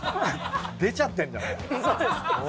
出ちゃってるんだもう。